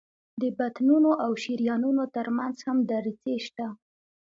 د بطنونو او شریانونو تر منځ هم دریڅې شته.